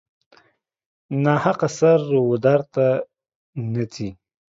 ناحقه سر و دار ته نه ځي.